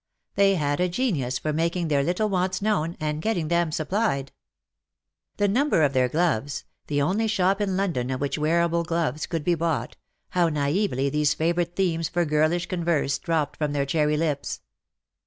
They had a genius for making their little wants known, and getting them supplied. The number of their gloves — the only shop in London at which wearable gloves could be bought — how naively these favourite themes for girlish con verse dropped from their cherry lips.